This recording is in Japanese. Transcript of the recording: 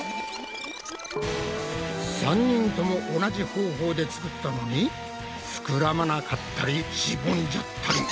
３人とも同じ方法で作ったのにふくらまなかったりしぼんじゃったり。